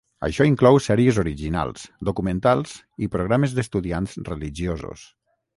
Això inclou sèries originals, documentals i programes d'estudiants religiosos.